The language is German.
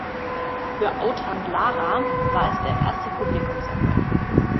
Für Autant-Lara war es der erste Publikumserfolg.